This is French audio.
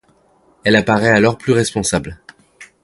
Elle apparaît alors plus responsable.